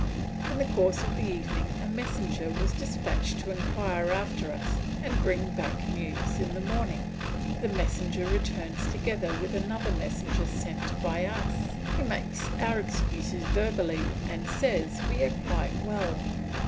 In the course of the evening a messenger was despatched to inquire after us and bring back news in the morning. The messenger returns together with another messenger sent by us, who makes our excuses verbally and says we are quite well.